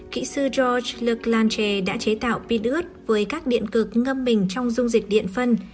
kỹ sư georges leclanché đã chế tạo pin ướt với các điện cực ngâm mình trong dung dịch điện phân